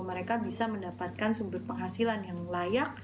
mereka bisa mendapatkan sumber penghasilan yang layak